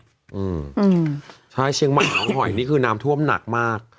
อืมใช่เชียงใหม่น้องหอยนี่คือน้ำท่วมหนักมาก